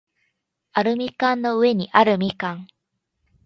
アルミ缶の上にあるみかん